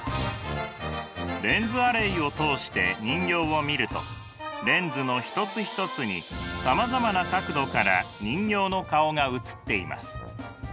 レンズアレイを通して人形を見るとレンズの一つ一つにさまざまな角度から人形の顔が映っています。